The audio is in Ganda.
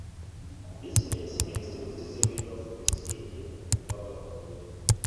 bizineesi ezimu zizimbiddwa ku musingi ogwa waggulu